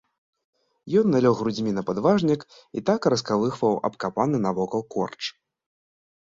Ён налёг грудзьмі на падважнік і так раскалыхваў абкапаны навокал корч.